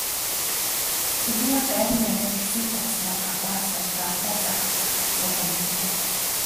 Цэрэгмаа байрандаа ирээд хэсэг болсноо галаа асааж данхтай цай халаахаар зуухан дээрээ тавив.